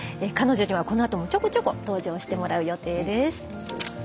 彼女には、このあともちょこちょこ登場してもらう予定です。